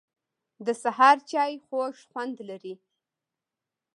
د سهار چای خوږ خوند لري